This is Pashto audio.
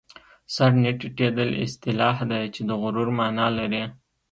سر نه ټیټېدل اصطلاح ده چې د غرور مانا لري